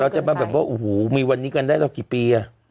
เมนเริ่มทุกอย่างแบบว่าโอ้โหมีวันนี้กันได้เรากี่ปีอ่ะ